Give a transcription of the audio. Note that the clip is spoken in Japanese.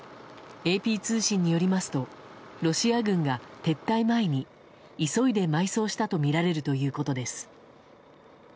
ＡＰ通信によりますとロシア軍が撤退前に急いで埋葬したとみられるということです。